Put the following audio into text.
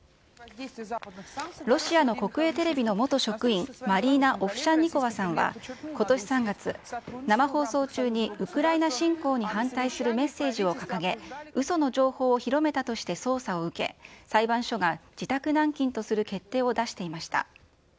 ロシアの国営テレビの元職員、マリーナ・オフシャンニコワさんは、ことし３月、生放送中にウクライナ侵攻に反対するメッセージを掲げ、うその情報を広めたとして捜査を受け、裁判所が自宅軟禁とする決定を出していました。